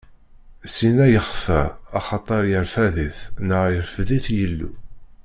Syenna yexfa, axaṭer iṛfedɛ-it neɣ irfed-it Yillu.